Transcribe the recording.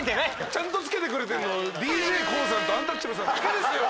ちゃんとつけてくれてるのＤＪＫＯＯさんとアンタッチャブルさんだけですよ。